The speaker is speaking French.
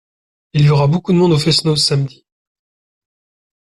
Il y aura beaucoup de monde au fest-noz samedi.